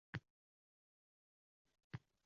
— Ha, borasiz-da, ena, — dedi Mirzaxo‘jaeva.